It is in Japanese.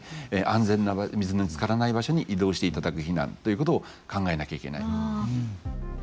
安全な水につからない場所に移動していただく避難ということを考えなきゃいけない。